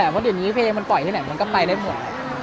แต่ว่าถ้าเดี๋ยวนี้เพลมปล่อยที่ไหนมันก็ไปได้หมด